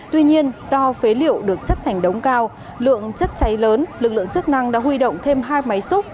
tuy nhiên do phế liệu được chất thành đống cao lượng chất cháy lớn lực lượng chức năng đã huy động thêm hai máy xúc